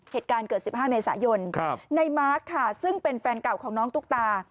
เหตุการณ์เกิด๑๕เมษายนในมาร์คค่ะซึ่งเป็นแฟนเก่าของน้องตุ๊กตา